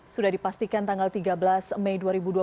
sudah dipastikan tanggal tiga belas mei dua ribu dua puluh